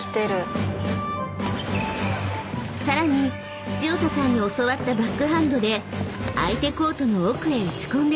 ［さらに潮田さんに教わったバックハンドで相手コートの奥へ打ち込んでいきます］